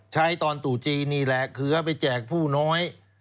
ตอนตู่จีนนี่แหละเครือไปแจกผู้น้อย